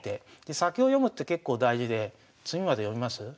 先を読むって結構大事で詰みまで読みます？